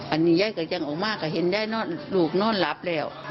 อันนี้ยายก็ยังออกมาก็เห็นยายนอนลูกนอนหลับแล้ว